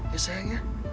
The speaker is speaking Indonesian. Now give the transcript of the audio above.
ya sayang ya